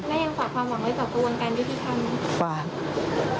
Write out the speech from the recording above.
แม่ยังฝากความหวังไว้จากกวนการยุติธรรม